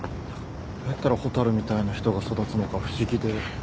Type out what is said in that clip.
どうやったら蛍みたいな人が育つのか不思議で。